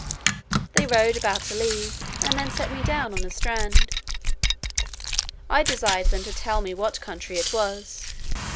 They rowed about a league, and then set me down on a strand. I desired them to tell me what country it was.